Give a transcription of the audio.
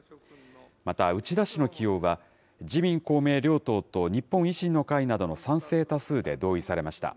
また内田氏の起用は、自民・公明両党と日本維新の会などの賛成多数で同意されました。